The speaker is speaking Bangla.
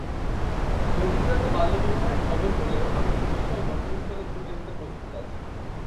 গভীর রাতে বাল্যবিবাহের খবর পেলেও আমি পুলিশসহ ঘটনাস্থলে ছুটে যেতে প্রস্তুত আছি।